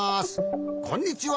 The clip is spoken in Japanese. こんにちは。